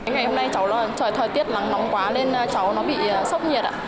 ngày hôm nay trời thời tiết nắng nóng quá nên cháu nó bị sốc nhiệt